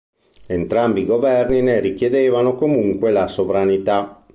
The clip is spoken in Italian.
Entrambi i governi ne richiedevano comunque la sovranità.